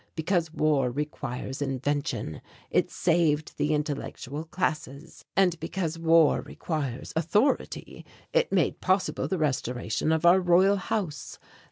Because war requires invention, it saved the intellectual classes, and because war requires authority it made possible the restoration of our Royal House.